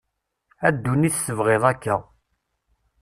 A ddunit tebɣiḍ akka.